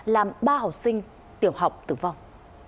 làm ba học sinh tiểu học tử vong